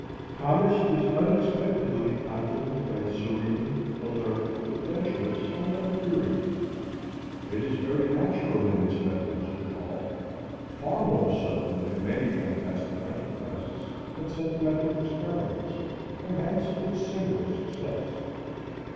Commerce is unexpectedly confident and serene, alert, adventurous, and unwearied. It is very natural in its methods withal, far more so than many fantastic enterprises and sentimental experiments, and hence its singular success.